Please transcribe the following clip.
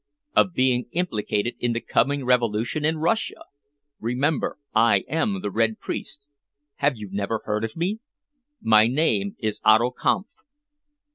"Of being implicated in the coming revolution in Russia? Remember I am the Red Priest. Have you never heard of me? My name is Otto Kampf."